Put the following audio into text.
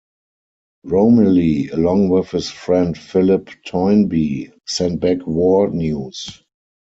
Romilly, along with his friend Philip Toynbee, sent back war news.